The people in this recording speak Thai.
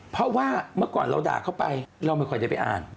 เพราะว่าเมื่อก่อนเราด่าเข้าไปเราไม่ค่อยได้ไปอ่าน